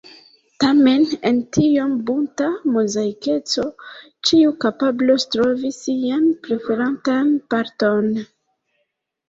Tamen en tiom bunta mozaikeco ĉiu kapablos trovi sian preferatan parton.